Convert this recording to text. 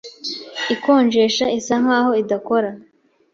Ikonjesha isa nkaho idakora.